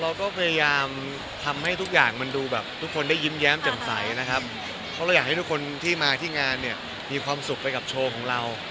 เราก็พยายามทำให้ทุกอย่างมันดูแบบทุกคนได้ยิ้มแย้มแจ่มใสนะครับเพราะเราอยากให้ทุกคนที่มาที่งานเนี่ยมีความสุขไปกับโชว์ของเรา